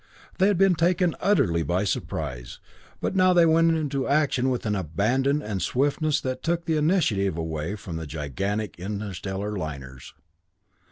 They had been taken utterly by surprise, but now they went into action with an abandon and swiftness that took the initiative away from the gigantic interstellar liners.